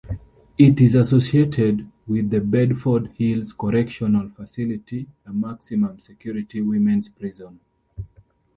It is associated with the Bedford Hills Correctional Facility, a maximum security women's prison.